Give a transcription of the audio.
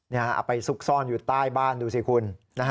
เอาไปซุกซ่อนอยู่ใต้บ้านดูสิคุณ